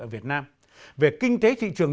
ở việt nam về kinh tế thị trường